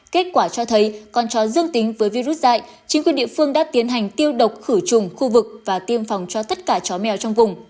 kết quả cho thấy con chó dương tính với virus dạy chính quyền địa phương đã tiến hành tiêu độc khử trùng khu vực và tiêm phòng cho tất cả chó mèo trong vùng